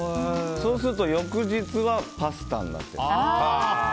そうすると翌日はパスタになって。